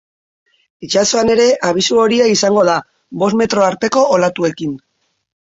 Itsasoan ere abisu horia izango da, bost metro arteko olatuekin.